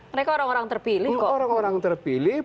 mereka orang orang terpilih kok